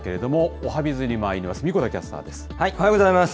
おはようございます。